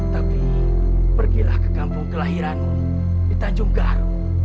tapi pergilah ke kampung kelahiranmu di tanjung garu